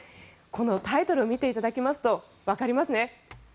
このタイトル見ていただきますとわかりますね。